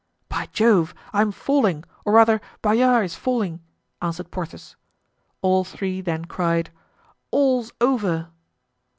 "By Jove, I am falling, or rather, Bayard is falling," answered Porthos. All three then cried: "All's over."